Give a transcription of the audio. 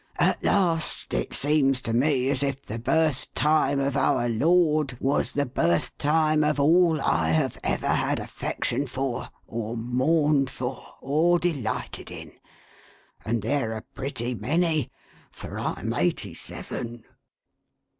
At last, it seems to me as if the birth time of our Lord was the birth time of all I have ever had affection for, or mourned for, or delighted in, — and they're a pretty many, for I'm eighty seven